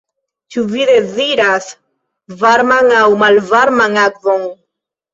Ĉu vi deziras varman aŭ malvarman akvon?